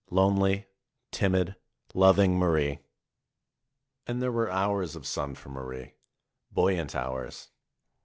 Lonely, timid, loving Marie ! And there were hours of sun for Marie, buoyant hours.